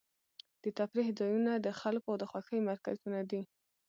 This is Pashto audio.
د تفریح ځایونه د خلکو د خوښۍ مرکزونه دي.